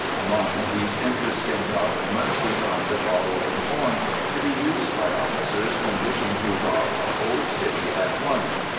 Among these interesting documents we find the following form to be used by officers when wishing to rob a whole city at once.